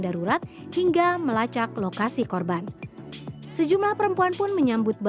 fitur utama yang dimiliki adalah penyelenggaraan